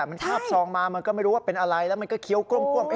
มันคาบซองมามันก็ไม่รู้ว่าเป็นอะไรแล้วมันก็เคี้ยวกล้ม